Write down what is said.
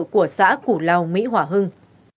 của xã củ lào mỹ hỏa hưng